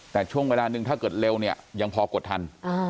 แต่ช่วงเวลาหนึ่งถ้าเกิดเร็วเนี่ยยังพอกดทัน